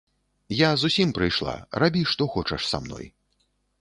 Я зусім прыйшла, рабі што хочаш са мной.